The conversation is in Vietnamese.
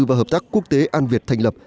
và hợp tác quốc tế an việt thành lập